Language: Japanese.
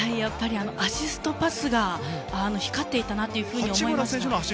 アシストパスが光っていたなと思いました。